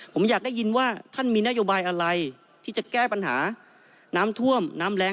ผมอยากได้ยินว่าท่านมีนโยบายอะไรที่จะแก้ปัญหาน้ำท่วมน้ำแรง